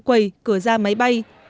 quầy cửa ra máy bay